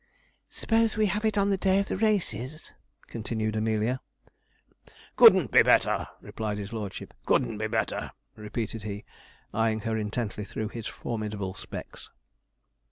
'Suppose we have it on the day of the races?' continued Amelia. 'Couldn't be better,' replied his lordship; 'couldn't be better,' repeated he, eyeing her intently through his formidable specs.